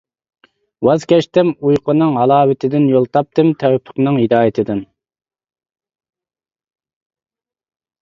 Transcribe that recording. ۋاز كەچتىم ئۇيقۇنىڭ ھالاۋىتىدىن يول تاپتىم تەۋپىقنىڭ ھىدايىتىدىن.